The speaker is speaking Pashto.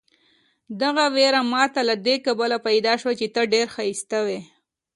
دغه وېره ماته له دې کبله پیدا شوه چې ته ډېر ښایسته وې.